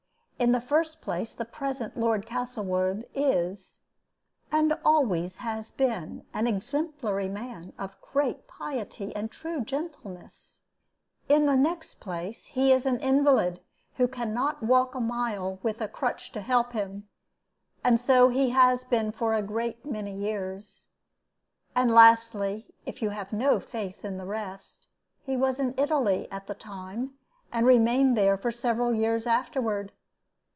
In the first place, the present Lord Castlewood is, and always has been, an exemplary man, of great piety and true gentleness; in the next place, he is an invalid, who can not walk a mile with a crutch to help him, and so he has been for a great many years; and lastly, if you have no faith in the rest, he was in Italy at the time, and remained there for some years afterward.